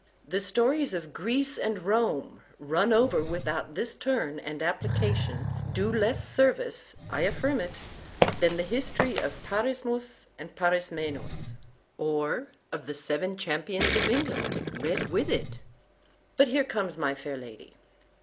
The stories of Greece and Rome, run over without this turn and application,—do less service, I affirm it, than the history of Parismus and Parismenus, or of the Seven Champions of England, read with it. ———But here comes my fair lady.